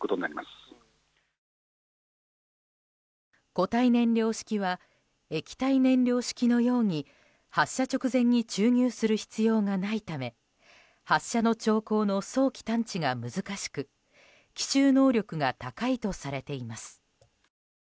固体燃料式は液体燃料式のように発射直前に注入する必要がないため発射の兆候の早期探知が難しく奇襲能力が高いとされています。